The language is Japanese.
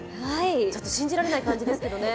ちょっと信じられない感じですけどね。